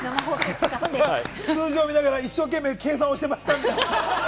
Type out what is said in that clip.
通常、数字を見ながら、一生懸命計算してました。